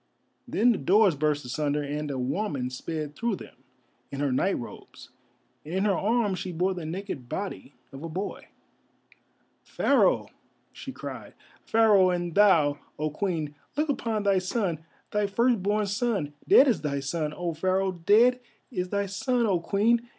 Then the doors burst asunder and a woman sped through them in her night robes, and in her arms she bore the naked body of a boy. "Pharaoh!" she cried, "Pharaoh, and thou, O Queen, look upon thy son—thy firstborn son—dead is thy son, O Pharaoh! Dead is thy son, O Queen!